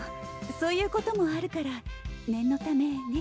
そういうこともあるから念のためね。